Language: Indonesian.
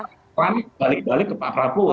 trump balik balik ke pak prabowo